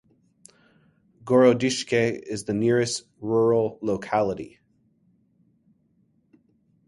Gorodishche is the nearest rural locality.